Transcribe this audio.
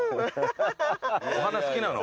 お花好きなの？